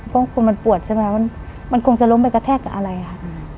พวกมันปวดใช่ไหมมันมันคงจะล้มไปกระแทกกับอะไรค่ะอืม